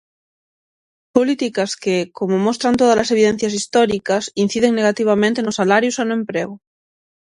Políticas que, como mostran tódalas evidencias históricas, inciden negativamente nos salarios e no emprego.